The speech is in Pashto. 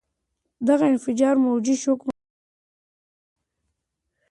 دغه انفجار موجي شوک منځته راوړي.